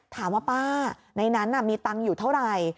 ถามว่าป้าในนั้นมีตังค์อยู่เท่าไหร่